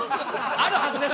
あるはずです。